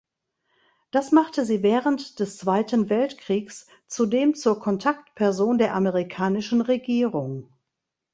Das machte sie während des Zweiten Weltkriegs zudem zur Kontaktperson der amerikanischen Regierung.